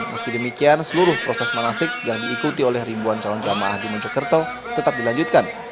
meski demikian seluruh proses manasik yang diikuti oleh ribuan calon jamaah di mojokerto tetap dilanjutkan